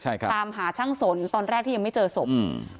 ใช่ครับตามหาช่างสนตอนแรกที่ยังไม่เจอศพอืม